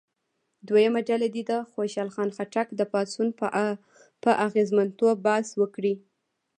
دویمه ډله دې د خوشحال خان خټک د پاڅون په اغېزمنتوب بحث وکړي.